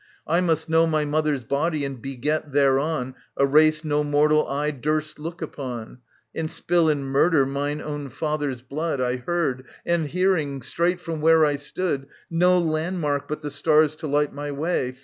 I must know My mother's body and beget thereon A race no mortal eye durst look upon. And spill in murder mine own father's blood. I heard, and, hearing, straight from where I stood, No landmark but the stars to light my way.